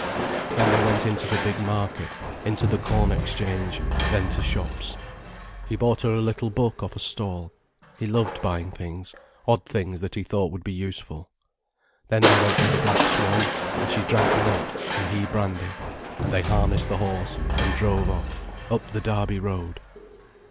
Then they went into the big market, into the corn exchange, then to shops. He bought her a little book off a stall. He loved buying things, odd things that he thought would be useful. Then they went to the "Black Swan", and she drank milk and he brandy, and they harnessed the horse and drove off, up the Derby Road.